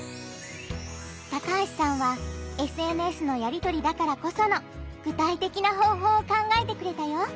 高橋さんはＳＮＳのやりとりだからこその具体的な方法を考えてくれたよ！